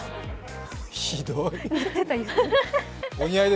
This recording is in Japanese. ひどい。